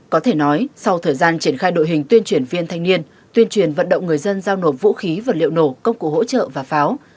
có thể nói sau thời gian triển khai đội hình tuyên truyền viên thanh niên tuyên truyền vận động người dân giao nộp vũ khí vật liệu nổ công cụ hỗ trợ và pháo